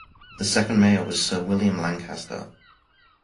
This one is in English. The second Mayor was Sir William Lancaster.